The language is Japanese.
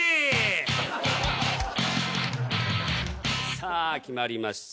さあ決まりました。